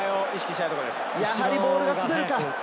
やはりボールが滑るか。